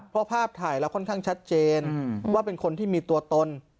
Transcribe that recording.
เพราะภาพถ่ายเราค่อนข้างชัดเจนว่าเป็นคนที่มีตัวตน